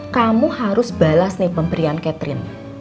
kamu harus balas nih pemberian catherine